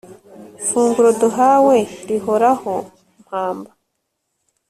funguro duhawe rihoraho, mpamba